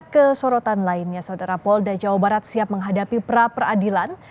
kesorotan lainnya saudara polda jawa barat siap menghadapi praperadilan